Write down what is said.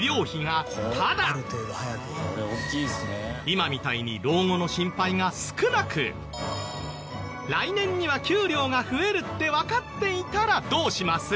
今みたいに老後の心配が少なく来年には給料が増えるってわかっていたらどうします？